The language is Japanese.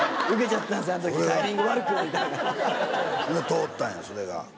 通ったんやそれが。